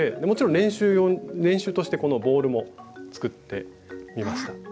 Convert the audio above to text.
もちろん練習としてこのボールも作ってみました。